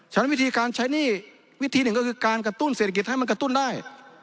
ฉะนั้นวิธีการใช้หนี้วิธีหนึ่งก็คือการกระตุ้นเศรษฐกิจให้มันกระตุ้นได้